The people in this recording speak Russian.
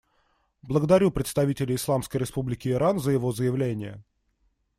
Благодарю представителя Исламской Республики Иран за его заявление.